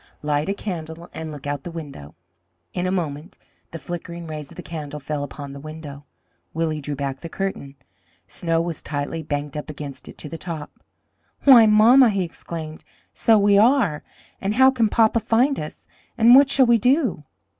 Light a candle and look out the window." In a moment the flickering rays of the candle fell upon the window. Willie drew back the curtain. Snow was tightly banked up against it to the top. "Why, mamma," he exclaimed, "so we are! and how can papa find us? and what shall we do?"